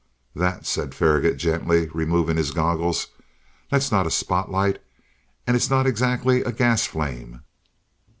"That," said Faragaut gently, removing his goggles. "That's not a spotlight, and it's not exactly a gas flame.